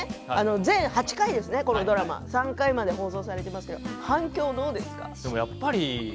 全８回のドラマで３回まで放送されていますが反響はどうですか。